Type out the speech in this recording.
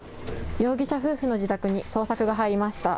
容疑者夫婦の自宅に捜索が入りました。